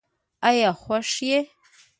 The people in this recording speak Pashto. آیا خوښ یې؟